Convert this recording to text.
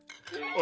あ！